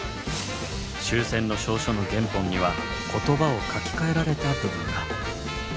終戦の詔書の原本には言葉を書きかえられた部分が。